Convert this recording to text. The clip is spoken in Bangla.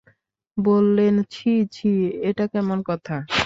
বললেন, ছি, ছি, এটা কেমন কথা!